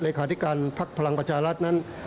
ขาธิการพักพลังประชารัฐนั้น